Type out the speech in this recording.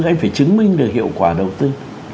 anh phải chứng minh được hiệu quả đầu tư